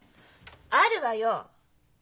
あるわよ！